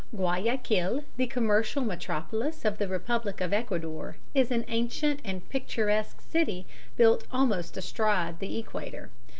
Guayaquil, the commercial metropolis of the Republic of Ecuador, is an ancient and picturesque city built almost astride the Equator.